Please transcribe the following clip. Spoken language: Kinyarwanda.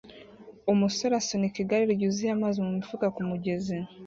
Umusore asunika igare ryuzuye amazi mumifuka kumugenzi